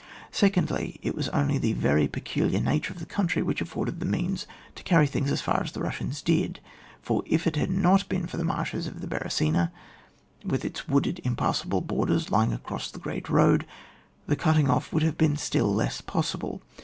Secondly, it was only the very peculiar nature of the country which afforded the means to carry things as far as the Bussians did ; for if it had not been for the marshes of the Beresina, with its wooded impassable borders lying across the great road, the cutting off would have been still less pos sible.